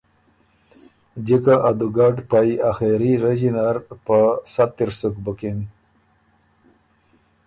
جِکه ا دُوګډ پئ آخېري رݫي نر په سَتِر سُک بُکِن۔